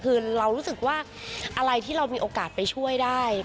คือเรารู้สึกว่าอะไรที่เรามีโอกาสไปช่วยได้